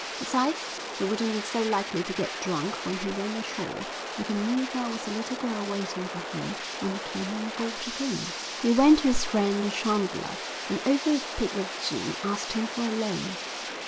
Besides, he wouldn't be so likely to get drunk when he went ashore if he knew there was a little girl waiting for him when he came on board again. He went to his friend the chandler and over a peg of gin asked him for a loan.